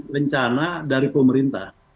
rencana dari pemerintah